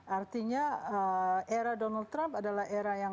artinya era donald trump adalah era yang